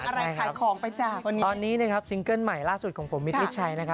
เพลงอะไรขายของไปจาก